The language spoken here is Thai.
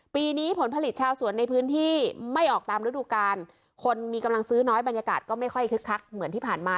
ปีนี้ผลผลิตชาวสวนในพื้นที่ไม่ออกตามฤดูกาลคนมีกำลังซื้อน้อยบรรยากาศก็ไม่ค่อยคึกคักเหมือนที่ผ่านมา